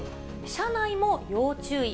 車内も要注意。